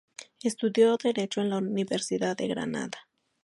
Estudió Derecho en la Universidad de Granada.